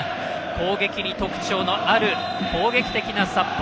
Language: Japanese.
攻撃に特徴のある攻撃的な札幌。